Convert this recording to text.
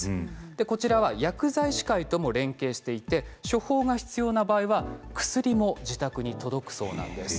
こちらは薬剤師会とも連携していて処方が必要な場合は薬も自宅に届くそうなんです。